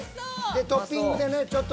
でトッピングでねちょっと。